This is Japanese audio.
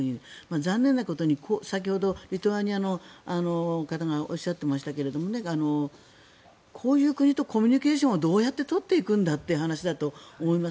残念なことに先ほど、リトアニアの方がおっしゃっていましたがこういう国とコミュニケーションをどうやって取っていくんだという話だと思います。